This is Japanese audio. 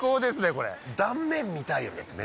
これ断面見たいよね